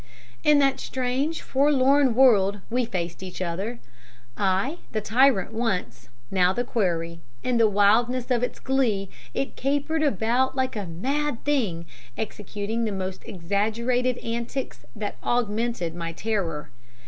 "In that strange forlorn world we faced each other; I, the tyrant once, now the quarry. In the wildness of its glee it capered about like a mad thing, executing the most exaggerated antics that augmented my terror.